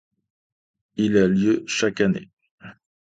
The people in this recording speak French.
Il a lieu chaque année.